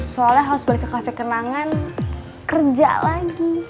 soalnya harus balik ke kafe kenangan kerja lagi